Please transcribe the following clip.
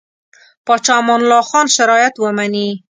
پاچا امان الله خان شرایط ومني.